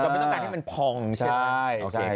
ไม่ต้องการให้มันพองใช่ไหม